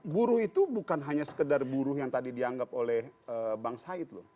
buruh itu bukan hanya sekedar buruh yang tadi dianggap oleh bang said loh